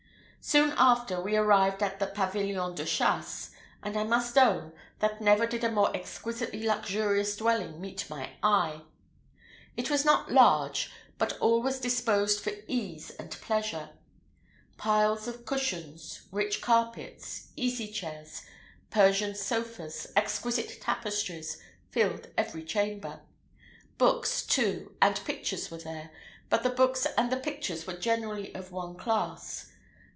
Soon after, we arrived at the pavilion de chasse; and, I must own, that never did a more exquisitely luxurious dwelling meet my eye. It was not large, but all was disposed for ease and pleasure. Piles of cushions, rich carpets, easy chairs, Persian sofas, exquisite tapestries, filled every chamber. Books, too, and pictures were there, but the books and the pictures were generally of one class.